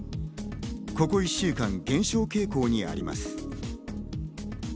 ここ１週間、減少傾向にあります。